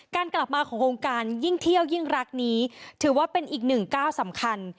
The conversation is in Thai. กลับมาของวงการยิ่งเที่ยวยิ่งรักนี้ถือว่าเป็นอีกหนึ่งก้าวสำคัญ